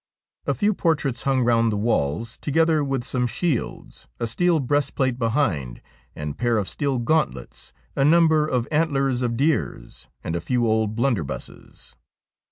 A few portraits hung round the walls, together with some shields, a steel breast plate behind, and pair of steel gauntlets, a number of antlers of deers, and a few old blunderbusses.